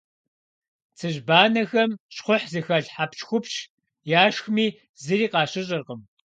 Цыжьбанэхэм щхъухь зыхэлъ хьэпщхупщ яшхми, зыри къащыщӏыркъым.